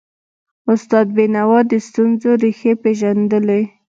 استاد بینوا د ستونزو ریښې پېژندلي.